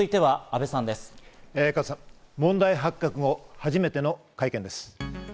加藤さん、問題発覚後、初めての会見です。